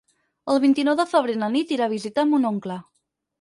El vint-i-nou de febrer na Nit irà a visitar mon oncle.